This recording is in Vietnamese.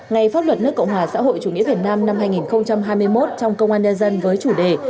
ngày pháp luật nước cộng hòa xã hội chủ nghĩa việt nam năm hai nghìn hai mươi một trong công an nhân dân với chủ đề